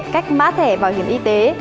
cách mã thẻ bảo hiểm y tế